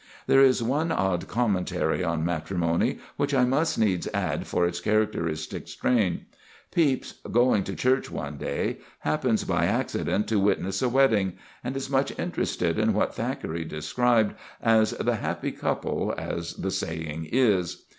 There is one odd commentary on matrimony, which I must needs add for its characteristic strain. Pepys, going to church one day, happens by accident to witness a wedding, and is much interested in what Thackeray described as "the happy couple, as the saying is."